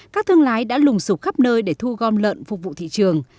các thương lái đã lùng sụp khắp nơi để thu gom lợn phục vụ thị trường